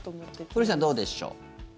古市さん、どうでしょう。